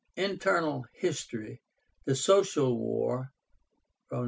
INTERNAL HISTORY. THE SOCIAL WAR (90 88).